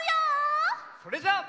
それじゃあ。